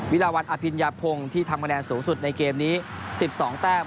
วิราวัตน์อภิญภงที่ทำคะแนนสูงสุดในเกมนี้๑๒แต้ม